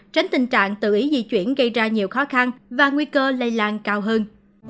tránh tình trạng tự ý di chuyển gây ra nhiều khó khăn và nguy cơ lây lan cao hơn